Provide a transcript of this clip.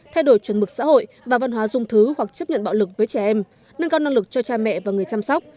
thay đổi chuẩn mực xã hội và văn hóa dung thứ hoặc chấp nhận bạo lực với trẻ em nâng cao năng lực cho cha mẹ và người chăm sóc